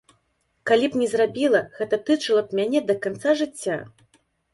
Калі б не зрабіла, гэта тачыла б мяне да канца жыцця.